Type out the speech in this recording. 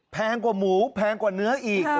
แพงกว่าหมูแพงกว่าเนื้ออีก